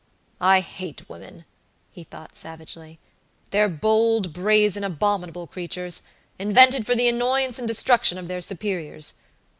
"I hate women," he thought, savagely. "They're bold, brazen, abominable creatures, invented for the annoyance and destruction of their superiors.